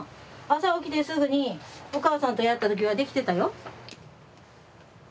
朝起きてすぐにお母さんとやった時はできてたよ。